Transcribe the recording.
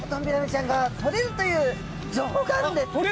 ビラメちゃんが獲れるという情報があるんです！